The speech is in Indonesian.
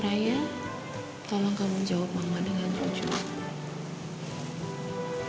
saya tolong kamu jawab mama dengan jujur